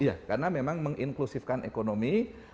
iya karena memang menginklusifkan ekonomi